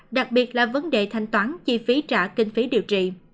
đặc biệt là vấn đề thanh toán chi phí trả kinh phí điều trị